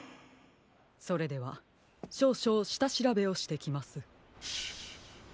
それではしょうしょうしたしらべをしてきます。